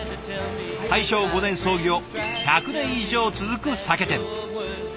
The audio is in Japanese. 大正５年創業１００年以上続く酒店。